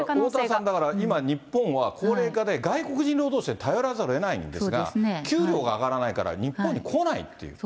おおたわさん、だから、日本は高齢化で外国人労働者に頼らざるをえないんですが、給料が上がらないから、日本に来ないっていう。